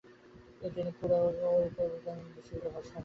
তিনি কুরাওয়ের ওয়েলগেলগেন বিদ্যালয়ে পড়াশোনা করেছিলেন।